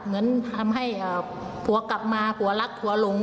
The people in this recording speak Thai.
เหมือนทำให้ผัวกลับมาผัวรักผัวหลง